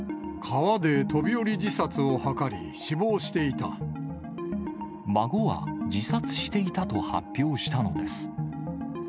川で飛び降り自殺を図り、孫は自殺していたと発表したのです。